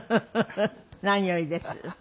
何よりです。